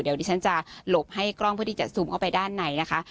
เดี๋ยวดิฉันจะหลบให้กล้องเพื่อที่จะซูมเข้าไปด้านในนะคะ